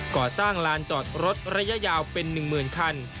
ก่อสร้างลานจอดรถระยะยาวเป็น๑๐๐๐คัน